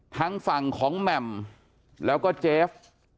ทั้งฝั่งของแหม่มแล้วก็เจฟ